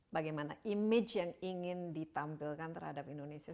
bagaimana image yang ingin ditampilkan terhadap indonesia